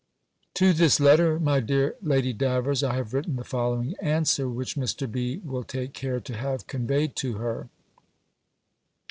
To this letter, my dear Lady Davers, I have written the following answer, which Mr. B. will take care to have conveyed to her.